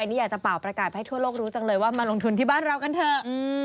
อันนี้อยากจะเป่าประกาศให้ทั่วโลกรู้จังเลยว่ามาลงทุนที่บ้านเรากันเถอะ